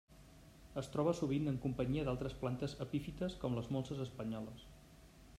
Es troba sovint en companyia d'altres plantes epífites com les molses espanyoles.